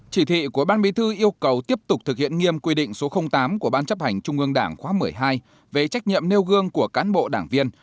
chỉ thị của ban bí thư yêu cầu tiếp tục thực hiện nghiêm quy định số tám của ban chấp hành trung ương đảng khóa một mươi hai về trách nhiệm nêu gương của cán bộ đảng viên